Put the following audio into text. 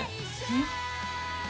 えっ？